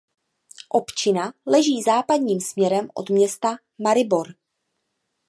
Občina leží západním směrem od města Maribor.